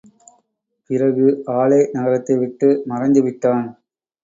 பிறகு ஆளே நகரத்தை விட்டு மறைந்துவிட்டான்.